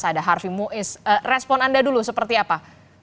jadi muiz respon anda dulu seperti apa